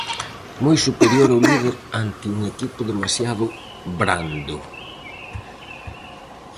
Moi superior o líder ante un equipo demasiado brando.